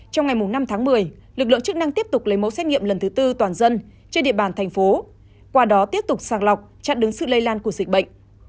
trong ngày năm tháng một mươi lực lượng chức năng tiếp tục lấy mẫu xét nghiệm lần thứ tư toàn dân trên địa bàn thành phố qua đó tiếp tục sàng lọc chặn đứng sự lây lan của dịch bệnh